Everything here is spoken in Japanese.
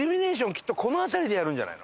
きっとこの辺りでやるんじゃないの？